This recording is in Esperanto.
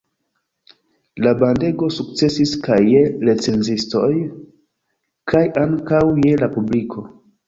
La bandego sukcesis kaj je recenzistoj kaj ankaŭ je la publiko.